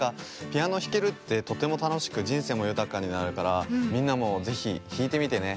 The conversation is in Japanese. ピアノひけるってとてもたのしくじんせいもゆたかになるからみんなもぜひひいてみてね。